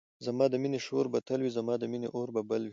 زما د مینی شور به تل وی زما د مینی اور به بل وی